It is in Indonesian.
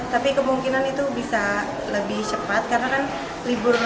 tapi kemungkinan itu bisa lebih cepat karena kan libur